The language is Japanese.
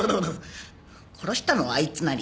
殺したのはあいつなり。